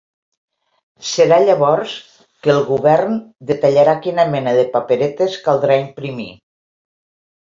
Serà llavors que el govern detallarà quina mena de paperetes caldrà imprimir.